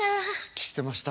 してました。